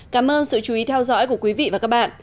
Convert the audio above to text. cảm ơn sự chú ý theo dõi của quý vị và các bạn